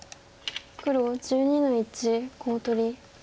黒１２の一コウ取り。